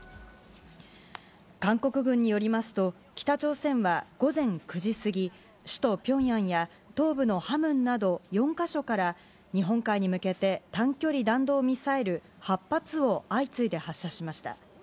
韓国軍によりますと、北朝鮮は午前９時過ぎ、首都ピョンヤンや東部のハムンなど４か所から、日本海に向けて短距離弾道ミサイル８発を相次いで発射しました。